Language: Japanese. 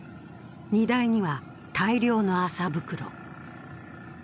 荷台には大量の麻袋。